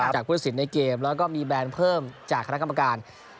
จากผู้ศิลป์ในเกมแล้วก็มีแบนเพิ่มจากคณะกรรมการ